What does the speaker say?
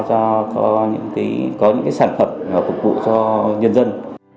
để có những cái sản phẩm phục vụ cho nhân dân